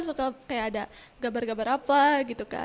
suka kayak ada gambar gambar apa gitu kan